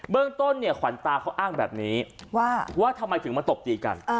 เรื่องต้นเนี่ยขวัญตาเขาอ้างแบบนี้ว่าทำไมถึงมาตบตีกัน